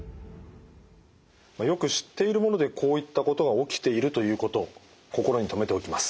よく知っているものでこういったことが起きているということ心に留めておきます。